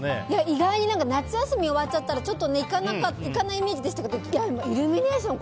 意外に夏休み終わっちゃったら行かないイメージでしたけどイルミネーション